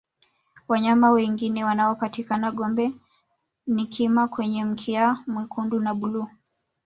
wanyama wengine wanaopatikana gombe ni kima wenye mkia mwekundu na bluu